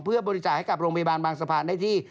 เพื่อบริจาคให้กับโรงพยาบาลบางสะพานได้ที่